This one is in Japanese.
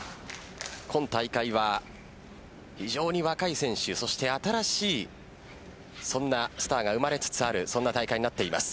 今大会は非常に若い選手、そして新しいそんなスターが生まれつつある大会になっています。